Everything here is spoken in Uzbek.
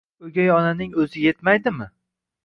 O'gay onaning o'zi yetmaydimi?